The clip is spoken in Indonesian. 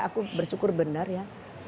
aku bersyukur benar ya